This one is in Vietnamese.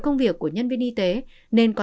công việc của nhân viên y tế nên có